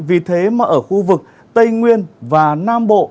vì thế mà ở khu vực tây nguyên và nam bộ